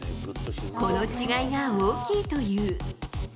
この違いが大きいという。